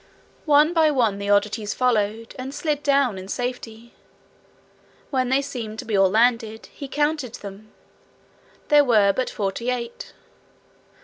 One by one the oddities followed, and slid down in safety. When they seemed to be all landed, he counted them: there were but forty eight.